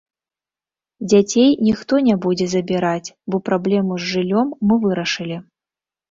Дзяцей ніхто не будзе забіраць, бо праблему з жыллём мы вырашылі.